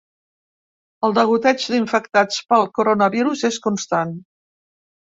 El degoteig d’infectats pel coronavirus és constant.